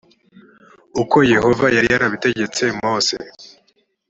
ukoyehova yari yarabitegetse mose